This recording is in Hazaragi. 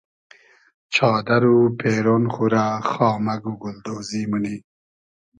چادئر و پېرۉن خو رۂ خامئگ و گولدۉزی مونی